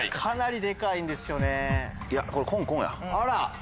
あら！